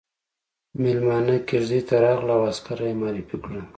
ميلمانه کېږدۍ ته راغلل او عسکره يې معرفي کړه.